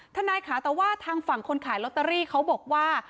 ท่านนายคะแต่ว่าทางฝั่งคนขายลลทรีเค้าบอกว่า